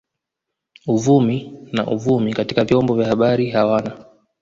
Uvumi na uvumi katika vyombo vya habari hawana